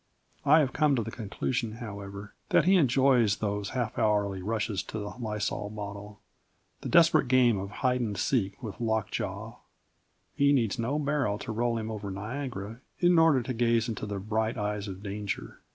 I have come to the conclusion, however, that he enjoys those half hourly rushes to the lysol bottle the desperate game of hide and seek with lockjaw. He needs no barrel to roll him over Niagara in order to gaze into "the bright eyes of danger."